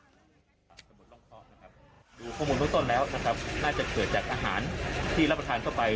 ดูข้อมูลต้นแล้วนะครับน่าจะเกิดจากอาหารที่รับประทานต่อไป